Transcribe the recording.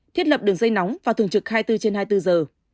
thiết lập đường dây nóng và thường trực hai mươi bốn trên hai mươi bốn giờ